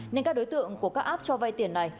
nên các đối tượng của các app cho vay tiền này